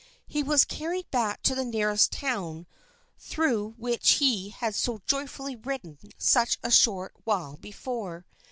He was carried back to the nearest town through which he had so joyfully ridden such a short while before.